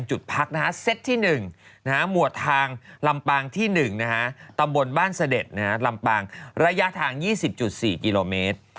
จุดพักเซตที่๑หมวดทางลำปางที่๑ตำบลบ้านเสด็จลำปางระยะทาง๒๐๔กิโลเมตร